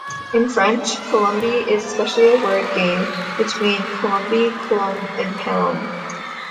In French, "Palombie" is especially a word game between "Colombie, Colombe" and "Palombe".